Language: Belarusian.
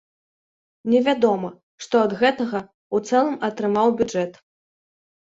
Невядома, што ад гэтага ў цэлым атрымаў бюджэт.